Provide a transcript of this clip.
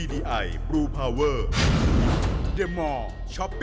สักทีสำคัญคุณได้เช็คดวงไปแล้ว๘ราศีแสดงว่ายังเหลืออีกทั้งหมด๔ราศี